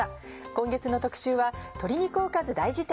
今月の特集は「鶏肉おかず大事典」。